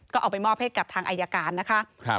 ก็เอาไปมอบให้กับทางอายการนะคะ